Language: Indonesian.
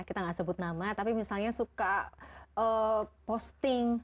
kita nggak sebut nama tapi misalnya suka posting